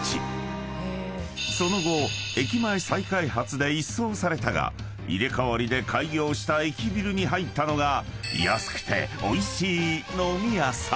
［その後駅前再開発で一掃されたが入れ替わりで開業した駅ビルに入ったのが］